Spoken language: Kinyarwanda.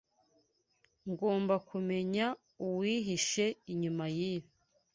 Ngomba kumenya uwihishe inyuma yibi.